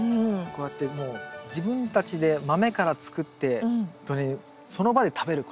こうやってもう自分たちでマメから作ってほんとにその場で食べる